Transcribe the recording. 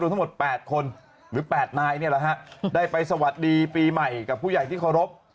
ทั้งหมด๘คนหรือ๘นายนี่แหละฮะได้ไปสวัสดีปีใหม่กับผู้ใหญ่ที่เคารพ